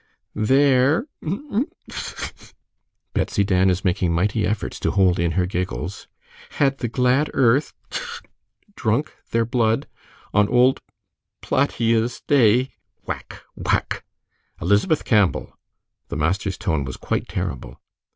"There " ("im im, thit tit tit,") Betsy Dan is making mighty efforts to hold in her giggles. " had the glad earth (tchik!) drunk their blood, On old Pl a a t t e a 's day." Whack! whack! "Elizabeth Campbell!" The master's tone was quite terrible.